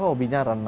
oh hobinya renang